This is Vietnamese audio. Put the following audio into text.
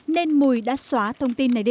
nên mùi đã xóa thông tin này đi